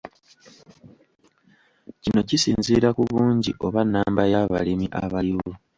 Kino kisinziira ku bungi oba nnamba y’abalimi abaliwo.